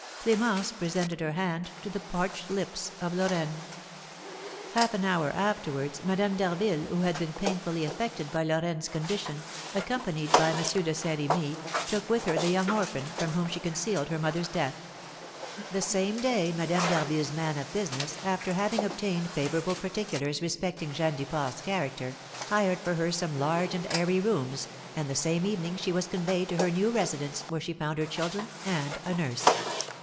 Clémence presented her hand to the parched lips of Lorraine. Half an hour afterwards, Madame d'Harville, who had been painfully affected by Lorraine's condition, accompanied by M. de Saint Remy, took with her the young orphan, from whom she concealed her mother's death. The same day, Madame d'Harville's man of business, after having obtained favourable particulars respecting Jeanne Duport's character, hired for her some large and airy rooms, and the same evening she was conveyed to her new residence, where she found her children and a nurse.